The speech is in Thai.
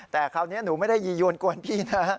แต่คราวนี้หนูไม่ได้ยียวนกวนพี่นะ